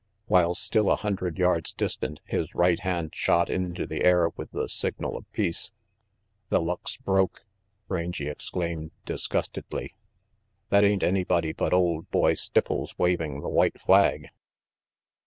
While still a hundred yards distant, his right hand shot into the air with the signal of peace. "The luck's broke!" Rangy exclaimed disgustedly. "That ain't anybody but old boy Stipples waving the white flag."